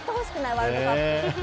ワールドカップ。